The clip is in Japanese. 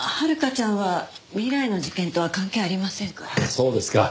そうですか。